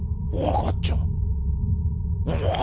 分かっちょう！